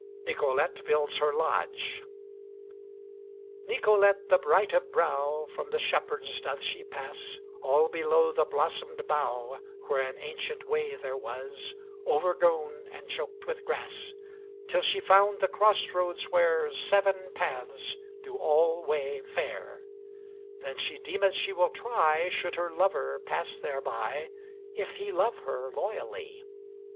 NICOLETTE BUILDS HER LODGE Nicolette, the bright of brow, From the shepherds doth she pass All below the blossomed bough Where an ancient way there was, Overgrown and choked with grass, Till she found the cross roads where Seven paths do all way fare; Then she deemeth she will try, Should her lover pass thereby, If he love her loyally.